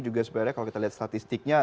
juga sebenarnya kalau kita lihat statistiknya